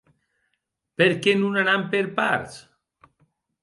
Per qué non anam per parts?